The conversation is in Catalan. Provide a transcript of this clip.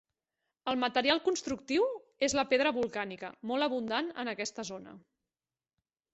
El material constructiu és la pedra volcànica, molt abundant en aquesta zona.